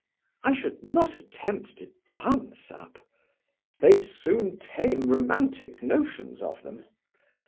"I should not attempt to dance up." "They soon tame romantic notions of them."